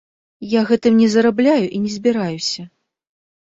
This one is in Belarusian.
Я гэтым не зарабляю і не збіраюся.